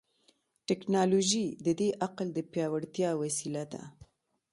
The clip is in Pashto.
ټیکنالوژي د دې عقل د پیاوړتیا وسیله ده.